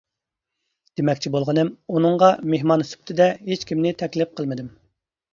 دېمەكچى بولغىنىم، ئۇنىڭغا مېھمان سۈپىتىدە ھېچ كىمنى تەكلىپ قىلمىدىم.